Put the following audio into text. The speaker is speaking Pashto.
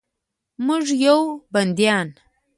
موږ یو بندیان